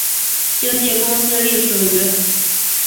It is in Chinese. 经纪公司隶属于。